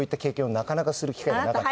なかなかする機会がなかった。